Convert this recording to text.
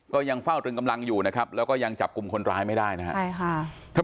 ก็ยังเฝ้าตรึงกำลังอยู่นะครับแล้วก็ยังจับกลุ่มคนร้ายไม่ได้นะครับใช่ค่ะ